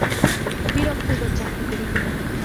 বিরক্তিকর চাকরি করি।